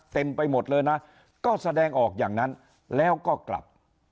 ไปหมดเลยนะก็แสดงออกอย่างนั้นแล้วก็กลับ